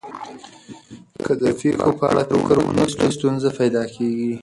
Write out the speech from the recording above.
که د پېښو په اړه فکر ونه کړئ، ستونزه پیدا کېږي.